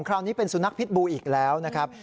คราวนี้เป็นสุนัขพิษบูอีกแล้วนะครับ